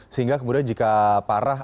sehingga kemudian jika parah